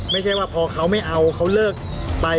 ไม่ใช่ว่าพอเขาไม่เอาเขาเลิกไป